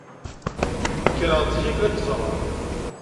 Nekreɣ-d zik akken ad k-ẓreɣ.